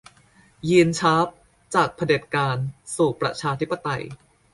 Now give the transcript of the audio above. ยีน ชาร์ป - จากเผด็จการสู่ประชาธิปไตย